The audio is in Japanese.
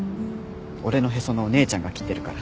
俺のへその緒姉ちゃんが切ってるから。